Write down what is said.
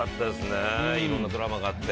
いろんなドラマがあって。